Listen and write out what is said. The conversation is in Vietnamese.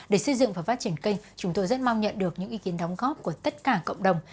để xây dựng và phát triển kênh chúng tôi rất mong nhận được những ý kiến đóng góp của tất cả cộng đồng